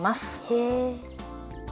へえ。